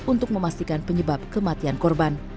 untuk memastikan penyebab kematian korban